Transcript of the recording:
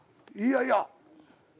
いやいや。